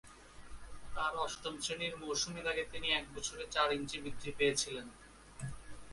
তার অষ্টম শ্রেণির মৌসুমের আগে, তিনি এক বছরে চার ইঞ্চি বৃদ্ধি পেয়েছিলেন।